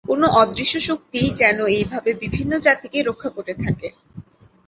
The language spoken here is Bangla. কোন অদৃশ্য শক্তিই যেন এইভাবে বিভিন্ন জাতিকে রক্ষা করে থাকে।